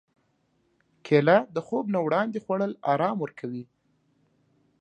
کېله د خوب نه وړاندې خوړل ارام ورکوي.